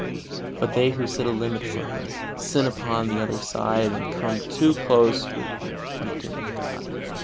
But they who set a limit for Him, sin upon the other side, and come too close with their tempting of God.